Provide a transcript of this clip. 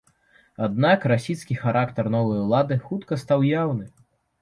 Аднак расісцкі характар новай улады хутка стаў яўны.